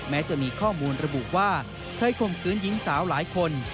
แม้จะมีข้อมูลระบุว่าเคยข่มขืนหญิงสาวหลายคน